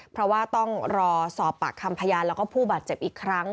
เพราะว่าต้องรอสอบปากคำพยานแล้วก็ผู้บาดเจ็บอีกครั้ง